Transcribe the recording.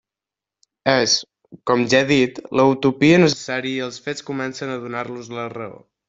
És, com ja he dit, la utopia necessària i els fets comencen a donar-los la raó.